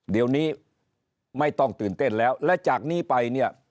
เดี๋ยวนี้ไม่ต้องตื่นเต้นแล้วและจากนี้ไปเนี่ย